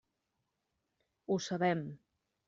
Ho sabem.